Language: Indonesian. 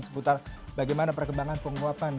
seputar bagaimana perkembangan penguapan